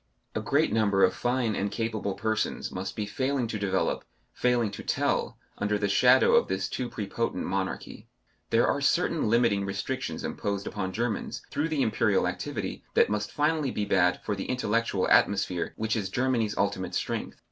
A great number of fine and capable persons must be failing to develop, failing to tell, under the shadow of this too prepotent monarchy. There are certain limiting restrictions imposed upon Germans through the Imperial activity, that must finally be bad for the intellectual atmosphere which is Germany's ultimate strength.